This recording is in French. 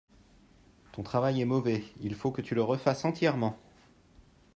Ton travail est mauvais, il faut que tu le refasse entièrement.